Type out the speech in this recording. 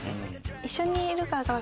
一緒にいるからか。